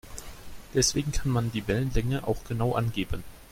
Deswegen kann man die Wellenlänge auch genau angeben.